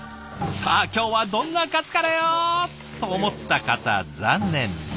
さあ今日はどんなカツカレーを？と思った方残念。